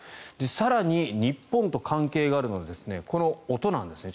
更に、日本と関係があるのがこの音なんですね。